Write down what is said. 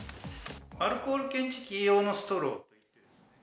アルコール検知器用のストロー。